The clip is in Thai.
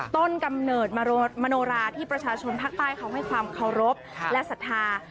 กำเนิดมโนราที่ประชาชนภาคใต้เขาให้ความเคารพและศรัทธา